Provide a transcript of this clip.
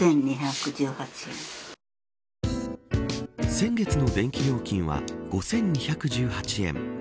先月の電気料金は５２１８円。